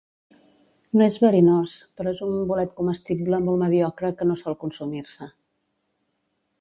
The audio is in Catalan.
No és verinós, però és un bolet comestible molt mediocre que no sol consumir-se.